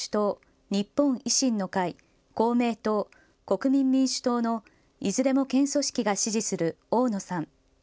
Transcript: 自民党、立憲民主党、日本維新の会、公明党、国民民主党のいずれも県組織が支持する大野さん。